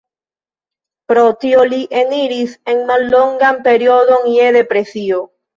Pro tio li eniris en mallongan periodon je depresio.